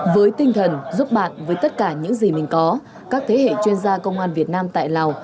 với tinh thần giúp bạn với tất cả những gì mình có các thế hệ chuyên gia công an việt nam tại lào